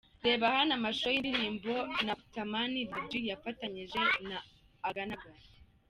Reba hano amashusho y’indirimbo ‘Nakutamani’, Lil G yafatanyije na Aganaga .